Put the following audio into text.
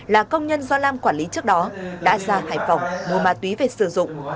là công nhân do lam quản lý trước đó đã ra hải phòng mua ma túy về sử dụng